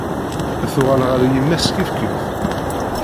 Tuɣal ɣer yemma-s kif kif.